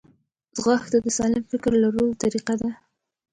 ځغاسته د سالم فکر لرلو طریقه ده